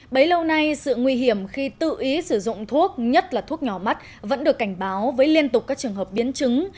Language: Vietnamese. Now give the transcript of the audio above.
bấy lâu nay sự nguy hiểm khi tự ý sử dụng thuốc nhất là thuốc nhỏ mắt vẫn được cảnh báo với liên tục các trường hợp biến chứng